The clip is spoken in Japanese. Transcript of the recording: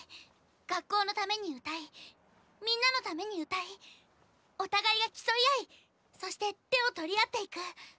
学校のために歌いみんなのために歌いお互いが競い合いそして手を取り合っていく。